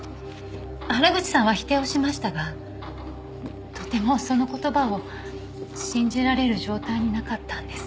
原口さんは否定をしましたがとてもその言葉を信じられる状態になかったんです。